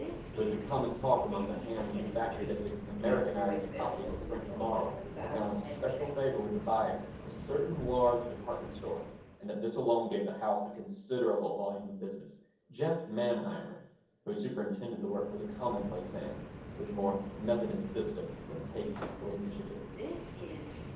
It was the common talk among the "hands" of the factory that his Americanized copies of French models had found special favor with the buyer of a certain large department store and that this alone gave the house a considerable volume of business. Jeff Manheimer, who superintended the work, was a commonplace man, with more method and system than taste or initiative.